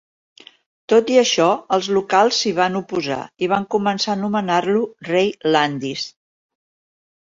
Tot i això, els locals s'hi van oposar i van començar a anomenar-lo "rei Landis".